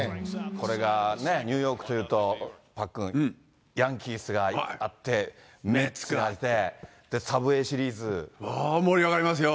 これがニューヨークというと、パックン、ヤンキースがあって、メッツがあって、サブウェイシリーズ。盛り上がりますよ。